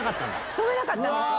跳べなかったんですよ。